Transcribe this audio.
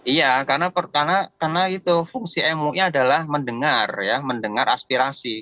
iya karena itu fungsi mui adalah mendengar ya mendengar aspirasi